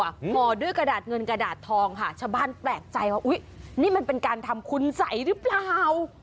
ห่อด้วยกระดาษเงินกระดาษทองค่ะชาวบ้านแปลกใจว่าอุ้ยนี่มันเป็นการทำคุณสัยหรือเปล่า